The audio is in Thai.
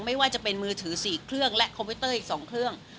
ไม่ว่าจะเป็นมือถือ๔เครื่องและคอมพิวเตอร์อีก๒เครื่อง